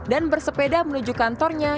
dan bersepeda menuju kantornya